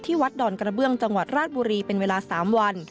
วัดดอนกระเบื้องจังหวัดราชบุรีเป็นเวลา๓วัน